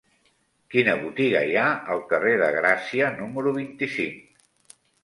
Quina botiga hi ha al carrer de Gràcia número vint-i-cinc?